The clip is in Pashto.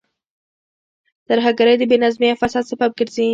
ترهګرۍ د بې نظمۍ او فساد سبب ګرځي.